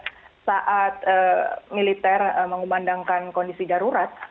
dan kemarin juga saat militer mengumandangkan kondisi darurat